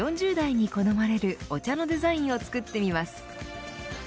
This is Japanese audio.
４０代に好まれるお茶のデザインを作ってみます。